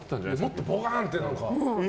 もっとボカンって。